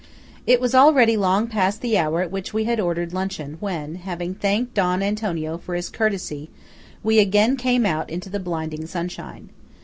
It was already long past the hour at which we had ordered luncheon when, having thanked Don Antonio for his courtesy, we again came out into the blinding sunshine.